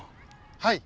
はい！